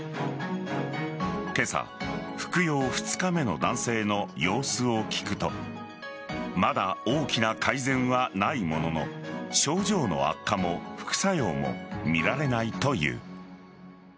今朝、服用２日目の男性の様子を聞くとまだ大きな改善はないものの症状の悪化も副作用も見られないという。